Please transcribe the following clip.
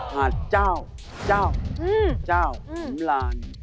หาดเจ้าสำราน